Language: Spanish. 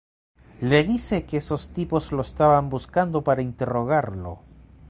Le dice que esos tipos lo estaban buscando para interrogarlo.